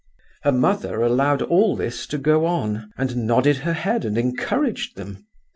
"Her mother allowed all this to go on, and nodded her head and encouraged them.